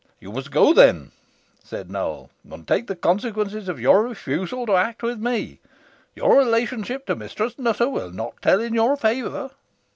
"You must go, then," said Nowell, "and take the consequences of your refusal to act with me. Your relationship to Mistress Nutter will not tell in your favour."